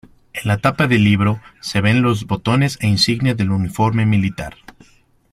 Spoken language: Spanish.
En la tapa de libro se ven los botones e insignias del uniforme militar.